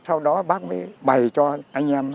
sau đó bác mới bày cho anh em